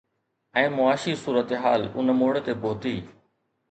۽ معاشي صورتحال ان موڙ تي پهتي